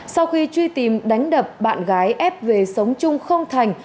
sau khi truy tìm đánh đập bạn gái f về sống chung không thành